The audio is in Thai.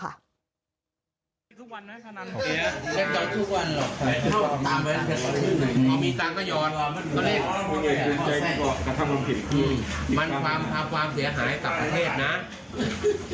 เข้ามาจากต่างประเทศเข้ามาเที่ยวในประเทศไทย